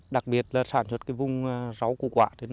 đặc biệt là sản xuất vùng rau củ quả